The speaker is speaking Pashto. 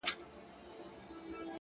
هوډ د ستړیا تر سیوري تېرېږي,